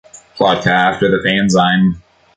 Plokta' after the fanzine.